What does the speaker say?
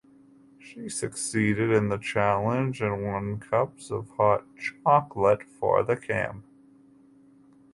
She succeeded in the challenge and won cups of hot chocolate for the camp.